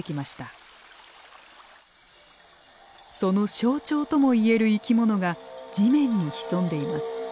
その象徴ともいえる生き物が地面に潜んでいます。